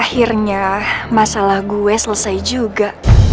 akhirnya masalah gue selesai juga